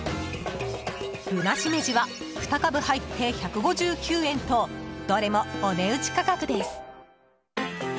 ブナシメジは２株入って１５９円とどれもお値打ち価格です。